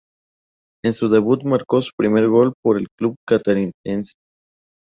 En su debut marcó su primer gol por el club catarinense.